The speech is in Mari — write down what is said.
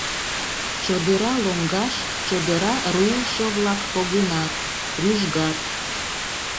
Чодыра лоҥгаш чодыра руышо-влак погынат, рӱжгат.